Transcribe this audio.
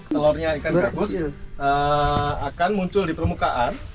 telurnya ikan gabus akan muncul di permukaan